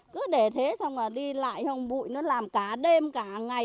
cứ để thế xong mà đi lại không bụi nó làm cả đêm cả ngày